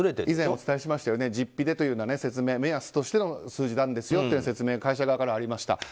以前お伝えしましたが実費でという説明、目安としての数字なんですよという説明、会社側からありました。